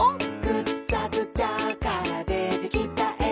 「ぐっちゃぐちゃからでてきたえ」